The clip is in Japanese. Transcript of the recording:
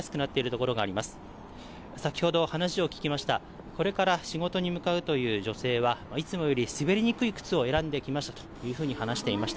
これから仕事に向かうという女性は、いつもより滑りにくい靴を選んできましたというふうに話していました。